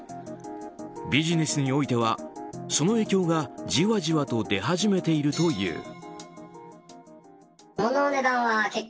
ビジネスにおいては、その影響がじわじわと出始めているという。